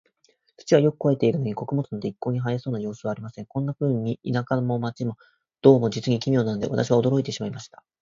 土はよく肥えているのに、穀物など一向に生えそうな様子はありません。こんなふうに、田舎も街も、どうも実に奇妙なので、私は驚いてしまいました。